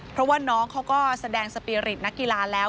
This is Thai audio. เพราะว่าน้องเขาก็แสดงสปีริตนักกีฬาแล้ว